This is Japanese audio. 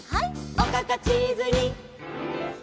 「おかかチーズにきめた！」